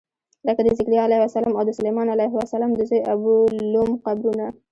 لکه د ذکریا علیه السلام او د سلیمان علیه السلام د زوی ابولوم قبرونه.